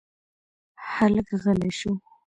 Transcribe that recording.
هلک غلی شو.